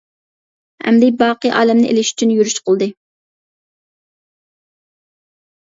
ئەمدى باقىي ئالەمنى ئېلىش ئۈچۈن يۈرۈش قىلدى.